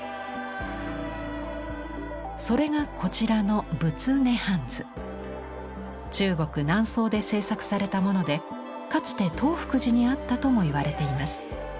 それがこちらの中国・南宋で制作されたものでかつて東福寺にあったとも言われています。